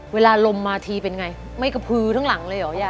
เวลาลมมาทีเป็นไงไม่กระพือทั้งหลังเลยเหรอยาย